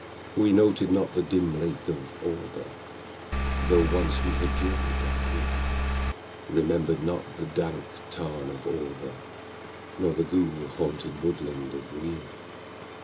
We noted not the dim lake of Auber, (Though once we had journeyed down here) We remembered not the dank tarn of Auber, Nor the ghoul haunted woodland of Weir.